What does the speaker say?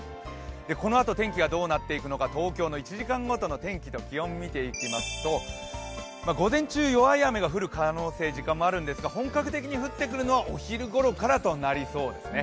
このあと天気がどうなっていくのか東京の１時間ごとの天気と気温を見ていくと午前中、弱い雨が降る時間帯もあるんですが本格的に降ってくるのはお昼ごろからとなりそうですね。